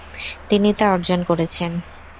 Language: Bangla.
তিনি তা অর্জন করেছেন।